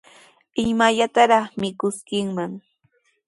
¿Imallataraq mikuskiiman?